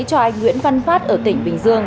cho anh nguyễn văn phát ở tỉnh bình dương